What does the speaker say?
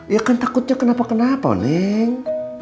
ya kan takutnya kenapa kenapa link